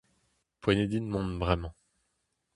Poent eo din mont bremañ…